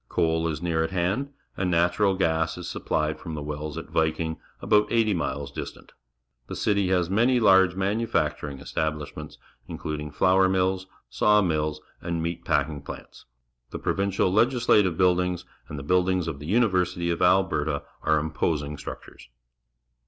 Coal is near at hand, and natural gas is supplied from the wells at Viking, about eighty miles distant. The city has many large manufac turing establishments, including ^our mills, saw^millSj^nd meatpacking _ plants. The 114 PUBLIC SCHOOL GEOGRAPHY Provincial Legislative Buildings and the TDuirdTngs of the Universitj^ of Alberta are imposing structures.